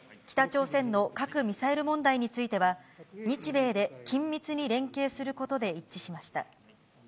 北朝鮮の核・ミサイル問題については、日米で緊密に連携することで一致しました。